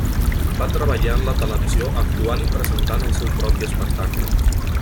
Va treballar en la televisió actuant i presentat el seu propi espectacle.